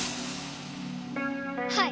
はい。